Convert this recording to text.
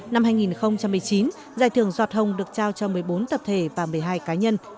năm hai nghìn một mươi chín giải thưởng giọt hồng được trao cho một mươi bốn tập thể và một mươi hai cá nhân